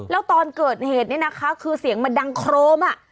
แล้วตอนเกิดเหตุเนี่ยนะคะคือเสียงมันดังโครม